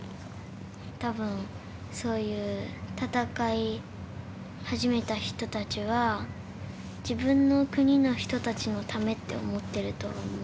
多分そういう戦い始めた人たちは「自分の国の人たちのため」って思ってると思う。